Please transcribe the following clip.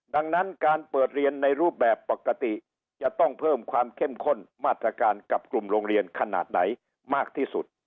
ดังนั้นการเปิดเรียนในรูปแบบปกติจะต้องเพิ่มความเข้มข้นมาตรการกับกลุ่มโรงเรียนขนาดไหนมากที่สุด